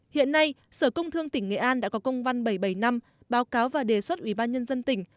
hiện nay sở công thương tỉnh nghệ an đã có công văn bảy trăm bảy mươi năm báo cáo và đề xuất ủy ban nhân dân tỉnh